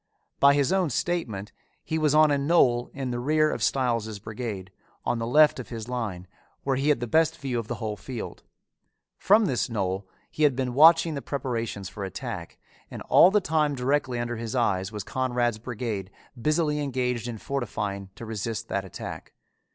By his own statement he was on a knoll in the rear of Stiles' brigade, on the left of his line, where he had the best view of the whole field. From this knoll he had been watching the preparations for attack, and all the time directly under his eyes was Conrad's brigade busily engaged in fortifying to resist that attack.